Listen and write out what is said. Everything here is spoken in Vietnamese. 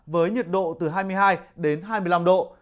với nhiệt độ từ hai mươi hai đến hai mươi năm độ